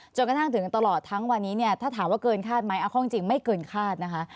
จนกระทั่งถึงตลอดทั้งวันนี้เนี่ยถ้าถามว่าเกินคาดไหมเอาข้อจริงไม่เกินคาดนะคะ